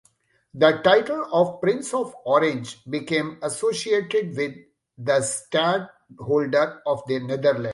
The title of Prince of Orange became associated with the stadtholder of the Netherlands.